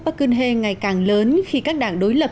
park geun hye ngày càng lớn khi các đảng đối lập